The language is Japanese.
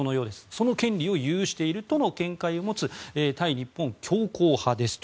その権利を有しているとの見解を持つ対日本強硬派ですと。